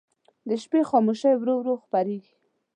د شپې خاموشي ورو ورو خپرېږي.